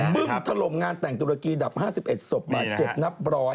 บึ้มถล่มงานแต่งตุรกีดับ๕๑ศพบาดเจ็บนับร้อย